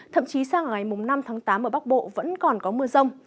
thậm chí sang ngày năm tháng tám ở bắc bộ vẫn còn có mưa rông